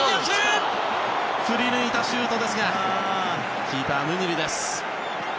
振り抜いたシュートでしたがキーパー、ムニルです。